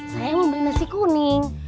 saya mau beli nasi kuning